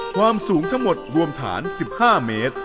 ความสูงทั้งหมดรวมฐาน๑๕เมตร